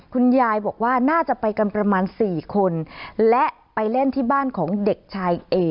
คุณยายบอกว่าน่าจะไปกันประมาณ๔คนและไปเล่นที่บ้านของเด็กชายเอ